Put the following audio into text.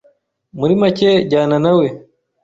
Muri macye jyana nawe,